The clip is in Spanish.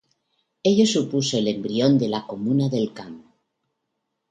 Ello supuso el embrión de la Comuna del Camp.